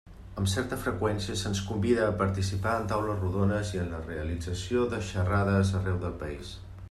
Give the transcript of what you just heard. Amb certa freqüència se'ns convida a participar en taules rodones i en la realització de xerrades arreu del país.